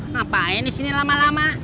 ngapain di sini lama lama